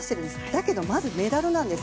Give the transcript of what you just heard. だけどまずメダルなんです。